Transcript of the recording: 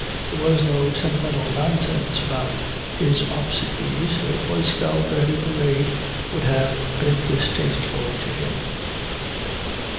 There was no sentimental nonsense about his obsequies; it was felt that any parade would have been distasteful to him.